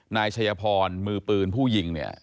นายชัยพรมือปืนผู้ยิงเนี่ย